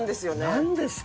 何ですか？